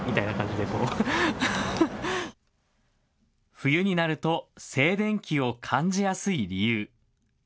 冬になると静電気を感じやすい理由。